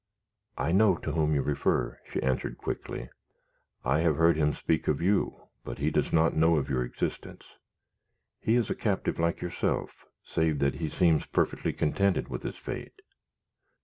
"I know to whom you refer," she answered, quickly. "I have heard him speak of you, but he does not know of your existence. He is a captive like yourself, save that he seems perfectly contented with his fate."